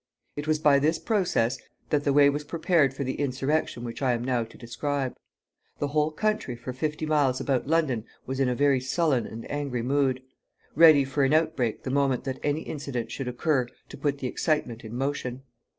It was by this process that the way was prepared for the insurrection which I am now to describe. The whole country for fifty miles about London was in a very sullen and angry mood, ready for an outbreak the moment that any incident should occur to put the excitement in motion.